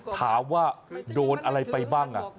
ถามว่าโดนอะไรไปบ้าง